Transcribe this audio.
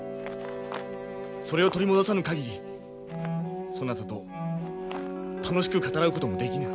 それを取り戻さぬ限りそなたと楽しく語らうこともできぬ。